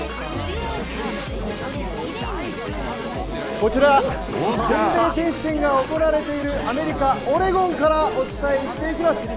こちら、全米選手権が行われているアメリカオレゴンからお伝えしていきます。